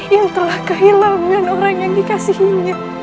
yang telah kehilangan orang yang dikasihinya